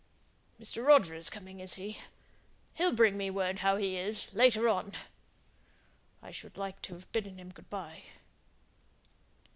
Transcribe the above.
Mr. Roger is coming, is he? He'll bring me word how he is, later on. I should like to have bidden him good by."